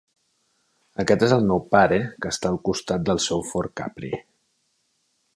Aquest és el meu pare que està al costat del seu Ford Capri.